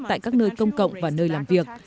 tại các nơi công cộng và nơi làm việc